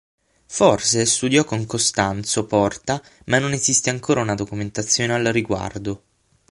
Forse studiò con Costanzo Porta, ma non esiste ancora una documentazione al riguardo.